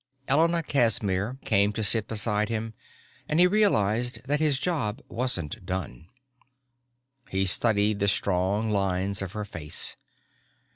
Elena Casimir came to sit beside him and he realized that his job wasn't done. He studied the strong lines of her face.